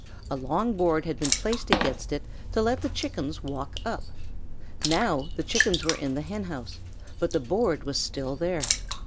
A long board had been placed against it to let the Chickens walk up. Now the Chickens were in the Hen house, but the board was still there.